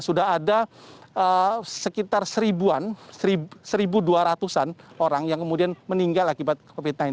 sudah ada sekitar seribuan seribu dua ratusan orang yang kemudian meninggal akibat covid sembilan belas